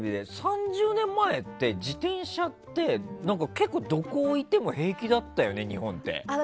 ３０年前って自転車って結構どこに置いても平気だったよね、日本って。